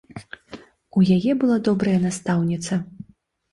У яе была добрая настаўніца.